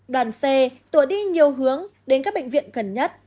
đoàn xe tỏa đi nhiều hướng đến các bệnh viện gần nhất